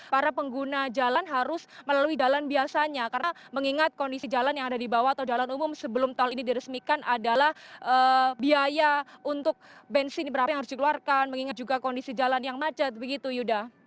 para pengguna jalan harus melalui jalan biasanya karena mengingat kondisi jalan yang ada di bawah atau jalan umum sebelum tol ini diresmikan adalah biaya untuk bensin berapa yang harus dikeluarkan mengingat juga kondisi jalan yang macet begitu yuda